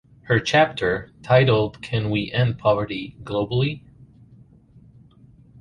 Her chapter, titled Can We End Poverty Globally?